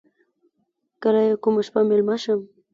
کله یې کومه شپه میلمه شم.